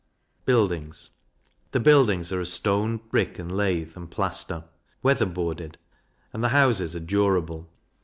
Buildings. The buildings are of stone, brick, and lath and plaister; weather boarded; and the houses are durable.